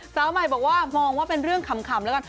สาวใหม่บอกว่ามองว่าเป็นเรื่องขำแล้วกัน